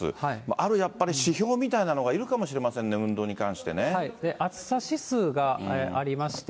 あるやっぱり、指標みたいなものがいるかもしれませんね、暑さ指数がありまして。